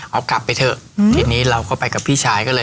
เอากลับไปเถอะทีนี้เราก็ไปกับพี่ชายก็เลย